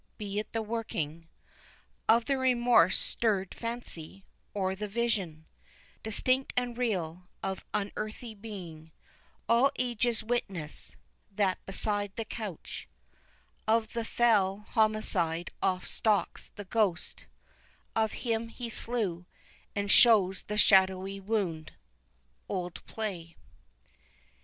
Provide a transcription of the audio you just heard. Be it the working Of the remorse stirr'd fancy, or the vision, Distinct and real, of unearthly being, All ages witness, that beside the couch Of the fell homicide oft stalks the ghost Of him he slew, and shows the shadowy wound. OLD PLAY.